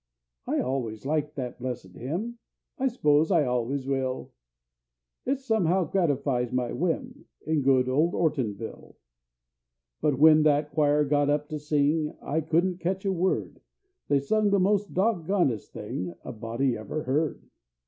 I al'ays liked that blessed hymn I s'pose I al'ays will; It somehow gratifies my whim, In good old Ortonville; But when that choir got up to sing, I couldn't catch a word; They sung the most dog gondest thing A body ever heard!